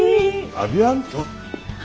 アビアント。